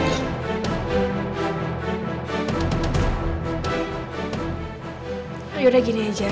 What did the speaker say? yaudah gini aja